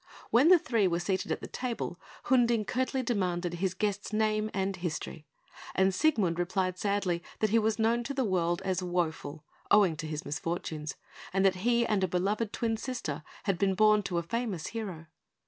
When the three were seated at the table, Hunding curtly demanded his guest's name and history; and Siegmund replied sadly that he was known to the world as "Woful," owing to his misfortunes, and that he and a beloved twin sister had been born to a famous hero.